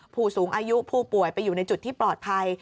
ผู้สูงอายุผู้ป่วยไปอยู่ในจุดที่ปลอดภัย